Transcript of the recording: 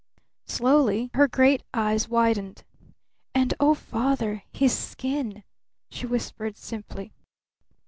Slowly her great eyes widened. "And oh, Father, his skin!" she whispered simply.